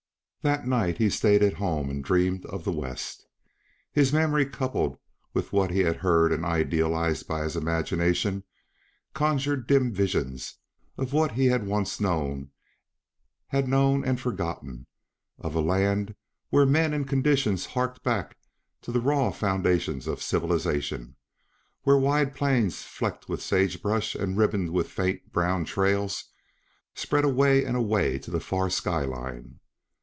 That night he stayed at home and dreamed, of the West. His memory, coupled with what he had heard and idealized by his imagination, conjured dim visions of what he had once known had known and forgotten; of a land here men and conditions harked back to the raw foundations of civilization; where wide plains flecked with sage brush and ribboned with faint, brown trails, spread away and away to a far sky line.